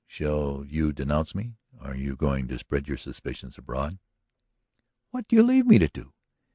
Shall you denounce me? Are you going to spread your suspicions abroad?" "What do you leave me to do?